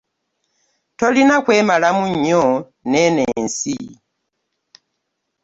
Tolina kwemalamu nnyo neeno ensi.